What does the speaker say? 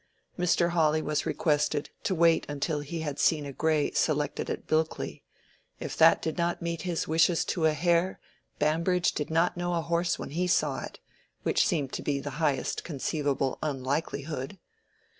Mr. Hawley was requested to wait until he had seen a gray selected at Bilkley: if that did not meet his wishes to a hair, Bambridge did not know a horse when he saw it, which seemed to be the highest conceivable unlikelihood.